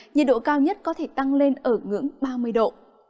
nhiệt độ cao nhất có thể tăng lên ở ngưỡng ba mươi độ